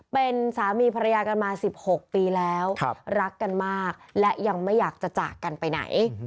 เป็นสามีภรรยากันมา๑๖ปีแล้วรักกันมากและยังไม่อยากจะจากกันไปไหน